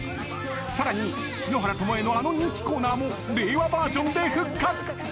更に篠原ともえのあの人気コーナーも令和バージョンで復活。